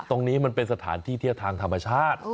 ตรงนี้มันเป็นสถานที่เที่ยวทางธรรมชาติ